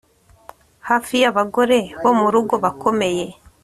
Hafi yabagore bo mu rugo bakomeye